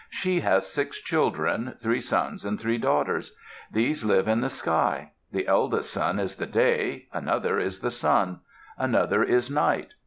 She has six children, three sons and three daughters. These live in the sky. The eldest son is the Day; another is the Sun; another is Night.